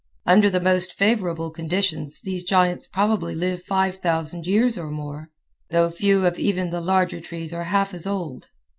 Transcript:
Under the most favorable conditions these giants probably live 5000 years or more though few of even the larger trees are half as old.